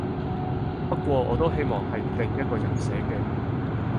不過我都希望係另外一個人寫嘅